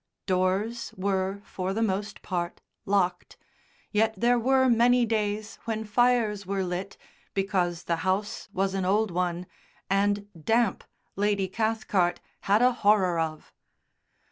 Doors were, for the most part, locked, yet there were many days when fires were lit because the house was an old one, and damp Lady Cathcart had a horror of.